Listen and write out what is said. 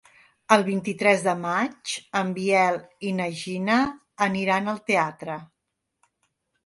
El vint-i-tres de maig en Biel i na Gina aniran al teatre.